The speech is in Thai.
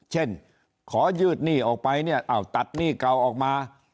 เช่นขอยืดหนี้ออกไปเนี่ยเอาตัดหนี้เก่าออกมา